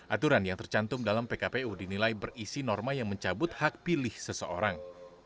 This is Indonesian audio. aturan yang tercantum dalam pkpu dinilai berisi norma yang mencabut hak pilih seseorang